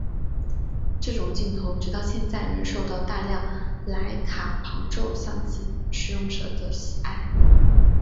这种镜头直到现在仍受到大量莱卡旁轴相机使用者的喜爱。